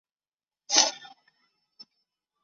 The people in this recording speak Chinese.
爱尔兰也会举行篝火晚会并放焰火。